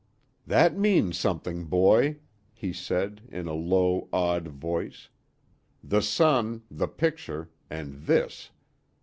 "That means something, boy," he said, in a low, awed voice, "the sun, the picture, and this!